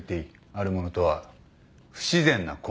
あるものとは不自然な痕跡だ。